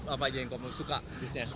apa aja yang kamu suka